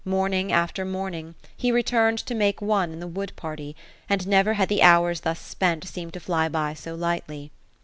Morning after morning, he returned to make one in the wood party ; and never had the hours thus spent, seemed to fly by so lightly.